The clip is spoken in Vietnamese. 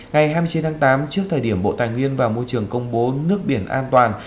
ngày hai mươi chín tháng tám trước thời điểm bộ tài nguyên và môi trường công bố nước biển an toàn